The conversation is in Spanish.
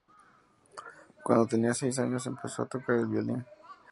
Cuando tenía seis años, empezó a tocar el violín.